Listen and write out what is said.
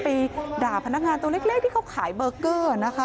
ไปด่าพนักงานตัวเล็กที่เขาขายเบอร์เกอร์นะคะ